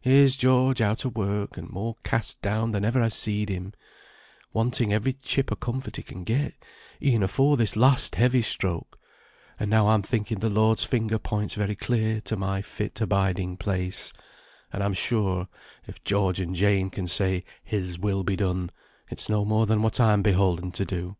Here's George out o' work, and more cast down than ever I seed him; wanting every chip o' comfort he can get, e'en afore this last heavy stroke; and now I'm thinking the Lord's finger points very clear to my fit abiding place; and I'm sure if George and Jane can say 'His will be done,' it's no more than what I'm beholden to do."